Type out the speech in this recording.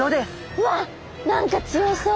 うわっ何か強そう。